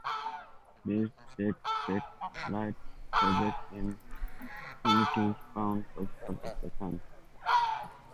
This backscattered light projects a pinkish band opposite of the Sun.